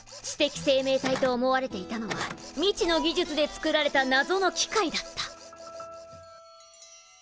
知的生命体と思われていたのは未知の技術で作られたなぞの機械だった。